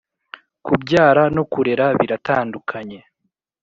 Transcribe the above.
Kubyara no kurera biratandukanye